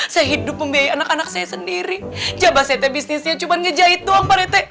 saya hidup membiayai anak anak saya sendiri jabah saya teh bisnisnya cuma ngejahit doang pak rete